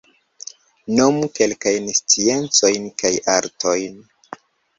Nomu kelkajn sciencojn kaj artojn.